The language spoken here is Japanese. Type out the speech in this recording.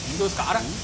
あら！